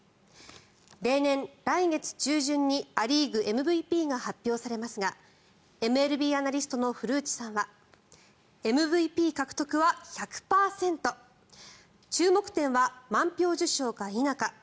例年、来月中旬にア・リーグＭＶＰが発表されますがＭＬＢアナリストの古内さんはＭＶＰ獲得は１００％注目点は満票受賞か否か。